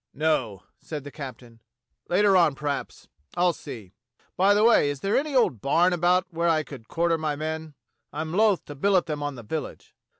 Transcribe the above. "No," said the captain, "later on, perhaps. I'll see. By the way, is there any old barn about where I could quarter my men? I'm loath to billet them on the village."